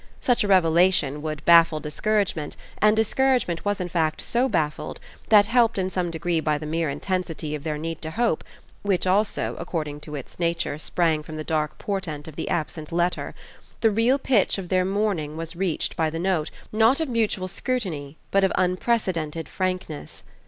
Such a revelation would baffle discouragement, and discouragement was in fact so baffled that, helped in some degree by the mere intensity of their need to hope, which also, according to its nature, sprang from the dark portent of the absent letter, the real pitch of their morning was reached by the note, not of mutual scrutiny, but of unprecedented frankness.